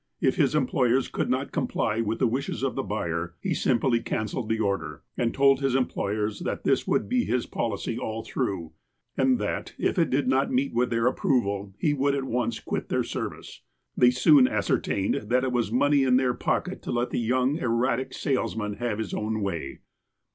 If his employers could not comply with the wishes of the buyer, he simply cancelled the order, and told his em ployers that this would be his policy all through, and that if it did not meet with their approval, he would at once quit their service. They soon ascertained that it was money in their pocket to let the young, erratic sales man liave his own way.